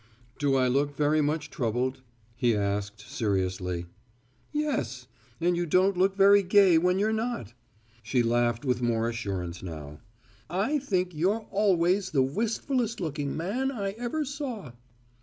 "Do I look very much troubled?" he asked seriously. "Yes. And you don't look very gay when you're not!" She laughed with more assurance now. "I think you're always the wistfulest looking man I ever saw."